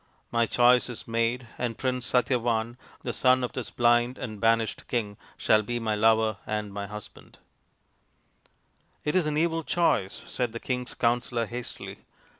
My choice is made, THE GENTLE CONQUEROR 61 and Prince Satyavan, the son of this blind and banished king, shall be my lover and my husband." " It is an evil choice," said the king's counsellor hastily.